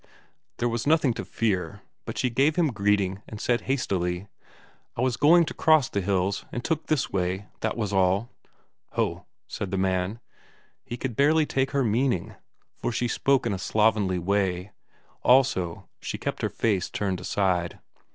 There was nothing to fear; but she gave him greeting and said hastily: "I was going cross the hills, and took this way, that was all." "Ho," said the man. He could barely take her meaning, for she spoke in a slovenly way, also, she kept her face turned aside.